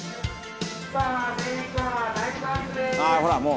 「ほらもう」